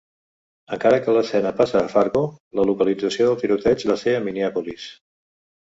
Encara que l'escena passa a Fargo, la localització del tiroteig va ser a Minneapolis.